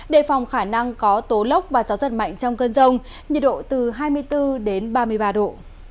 đề phòng khả năng có tố lốc và gió giật mạnh trong cơn rông nhiệt độ từ hai mươi bốn đến ba mươi ba độ